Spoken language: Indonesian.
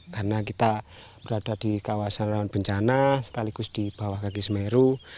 karena kita berada di kawasan awan bencana sekaligus di bawah kaki semeru